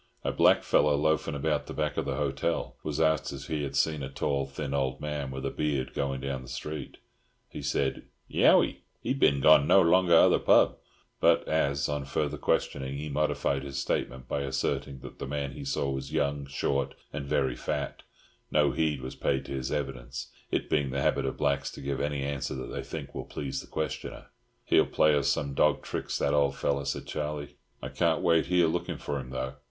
A blackfellow, loafing about the back of the hotel, was asked if he had seen a tall, thin old man with a beard going down the street. He said, "Yowi, he bin go longa other pub;" but as, on further questioning, he modified his statement by asserting that the man he saw was young, short and very fat, no heed was paid to his evidence—it being the habit of blacks to give any answer that they think will please the questioner. "He'll play us some dog's trick, that old fellow," said Charlie. "I can't wait here looking for him, though.